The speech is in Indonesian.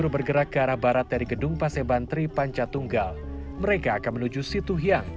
berbahagia bersama makan bersama